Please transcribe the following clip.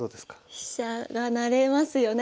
飛車が成れますよね。